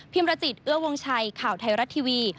มรจิตเอื้อวงชัยข่าวไทยรัฐทีวี